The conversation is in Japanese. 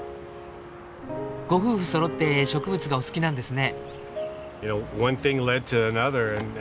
ご夫婦そろって植物がお好きなんですね。